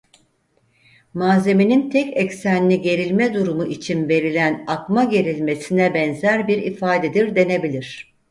Malzemenin tek eksenli gerilme durumu için verilen akma gerilmesine benzer bir ifadedir denebilir.